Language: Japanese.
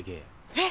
えっ！？